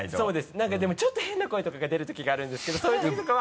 なんかでもちょっと変な声とかが出る時があるんですけどそういう時とかは。